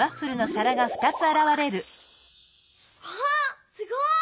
わっすごい！